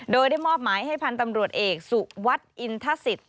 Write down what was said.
โดยได้มอบหมายให้พันธ์ตำรวจเอกสุวัสดิอินทศิษย์